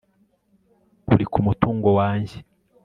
Uri ku mutungo wanjye